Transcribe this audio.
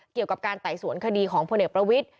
เกี่ยวกับการไต่สวนคดีของพลเอกประวิทธิ